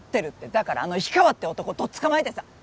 だからあの氷川って男とっ捕まえてさ。